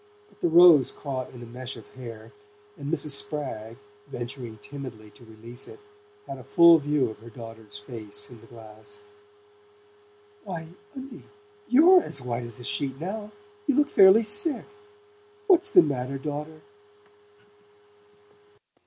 But the rose caught in a mesh of hair, and Mrs. Spragg, venturing timidly to release it, had a full view of her daughter's face in the glass. "Why, Undie, YOU'RE as white as a sheet now! You look fairly sick. What's the matter, daughter?"